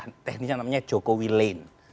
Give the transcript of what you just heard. karena dia juga teknis yang namanya jokowi lane